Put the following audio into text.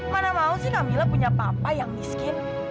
mana mau sih namila punya papa yang miskin